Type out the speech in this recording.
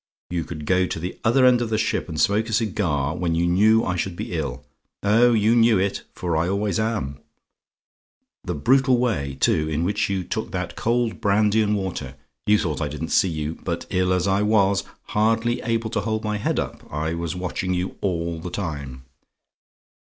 You could go to the other end of the ship and smoke a cigar, when you knew I should be ill oh, you knew it; for I always am. The brutal way, too, in which you took that cold brandy and water you thought I didn't see you; but ill as I was, hardly able to hold my head up, I was watching you all the time.